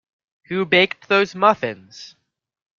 Who baked those muffins?